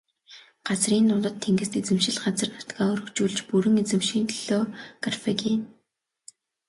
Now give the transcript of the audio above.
Газрын дундад тэнгист эзэмшил газар нутгаа өргөжүүлж бүрэн эзэмшихийн төлөө Карфаген.